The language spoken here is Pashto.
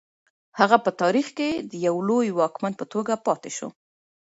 هغه په تاریخ کې د یو لوی واکمن په توګه پاتې شو.